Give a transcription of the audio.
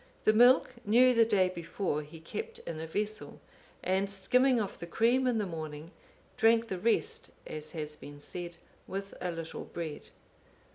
The milk, new the day before, he kept in a vessel, and skimming off the cream in the morning, drank the rest, as has been said, with a little bread.